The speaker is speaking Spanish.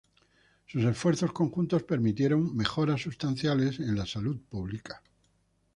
Sus esfuerzos conjuntos permitieron mejoras sustanciales en la salud pública.